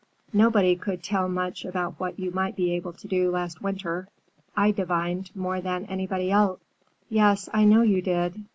—Nobody could tell much about what you might be able to do, last winter. I divined more than anybody else." "Yes, I know you did."